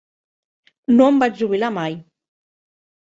No em vaig jubilar mai.